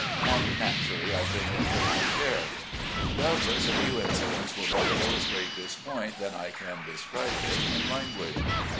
And naturally, I came in for my share. Doubtless, a few incidents will better illustrate this point, than I can describe it in language.